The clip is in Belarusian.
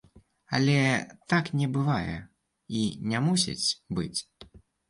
Але так не бывае і не мусіць быць.